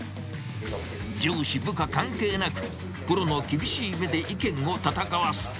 上司、部下関係なく、プロの厳しい目で意見を戦わす。